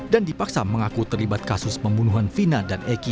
dan dipaksa mengaku terlibat kasus pembunuhan vina dan eki